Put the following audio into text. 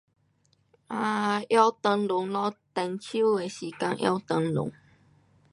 um 拿灯笼咯，中秋的时间拿灯笼。